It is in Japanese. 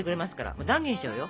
もう断言しちゃうよ。